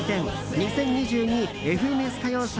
「２０２２ＦＮＳ歌謡祭」